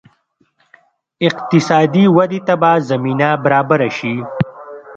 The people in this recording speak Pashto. اقتصادي ودې ته به زمینه برابره شي.